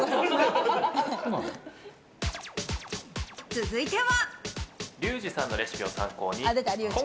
続いては！